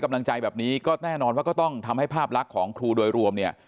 กำลังใจแบบนี้ก็แน่นอนว่าก็ต้องทำให้ภาพลักษณ์ของครูโดยรวมเนี่ย